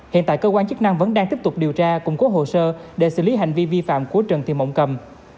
hiện tại cơ quan chức năng vẫn đang tiếp tục điều tra củng cố hồ sơ để xử lý hành vi vi phạm của trần thị mộng cầm